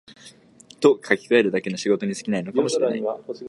と書きかえるだけの仕事に過ぎないかも知れない